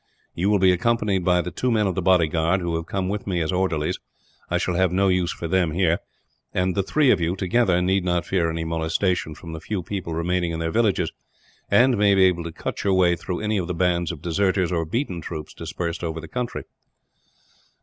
You will be accompanied by the two men of the bodyguard, who have come with me as orderlies. I shall have no use for them, here; and three of you, together, need not fear any molestation from the few people remaining in their villages, and may be able to cut your way through any of the bands of deserters, or beaten troops, dispersed over the country."